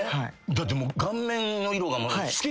だってもう。